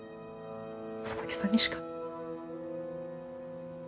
佐々木さんにしか。